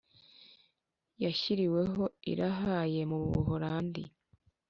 Yashyiriweho i la haye mu buholandi